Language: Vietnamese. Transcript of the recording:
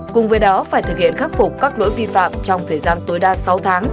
cùng với đó phải thực hiện khắc phục các lỗi vi phạm trong thời gian tối đa sáu tháng